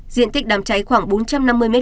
diện tích đám cháy khoảng bốn trăm năm mươi m hai